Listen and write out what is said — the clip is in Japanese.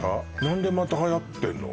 何でまたはやってんの？